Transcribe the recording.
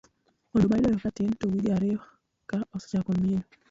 oduma idoyo ga katin to wige ariyo ka osechako mienyo